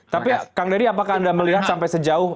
tapi kang deddy apakah anda melihat sampai sejauh